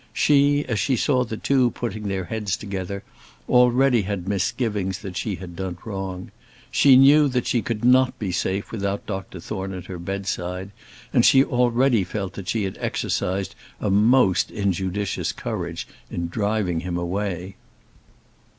She, as she saw the two putting their heads together, already had misgivings that she had done wrong. She knew that she could not be safe without Dr Thorne at her bedside, and she already felt that she had exercised a most injudicious courage in driving him away.